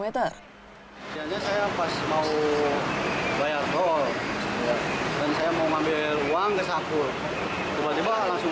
sebenarnya saya pas mau bayar tol dan saya mau ambil uang